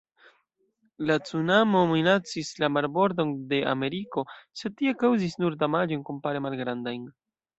La cunamo minacis la marbordon de Ameriko, sed tie kaŭzis nur damaĝojn kompare malgrandajn.